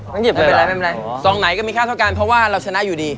เหยียบไม่เป็นไรซองไหนก็มีค่าเท่ากันเพราะว่าเราชนะอยู่ดี